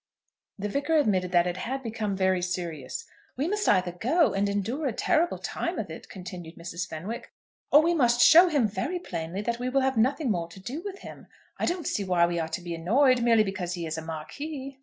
The Vicar admitted that it had become very serious. "We must either go, and endure a terrible time of it," continued Mrs. Fenwick, "or we must show him very plainly that we will have nothing more to do with him. I don't see why we are to be annoyed, merely because he is a Marquis."